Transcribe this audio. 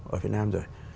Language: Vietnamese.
ở việt nam rồi